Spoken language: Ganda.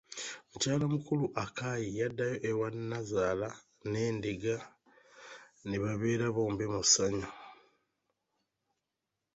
Mukyala mukulu, Akai, yaddayo ewa nazaala n'endiga ne babeera bombi mu ssanyu.